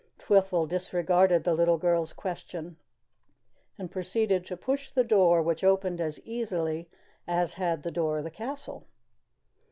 Twiffle disregarded the little girl's question and proceeded to push the door which opened as easily as had the door of the castle.